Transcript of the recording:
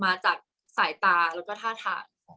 กากตัวทำอะไรบ้างอยู่ตรงนี้คนเดียว